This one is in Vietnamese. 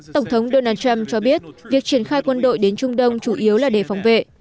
tổng thống donald trump cho biết việc triển khai quân đội đến trung đông chủ yếu là để phòng vệ